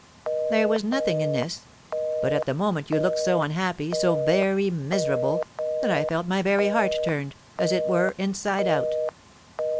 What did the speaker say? "There was nothing in this; but at the moment you looked so unhappy, so very miserable, that I felt my very heart turned, as it were, inside out.